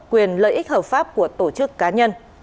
quyền lợi ích hợp pháp của tổ chức cá nhân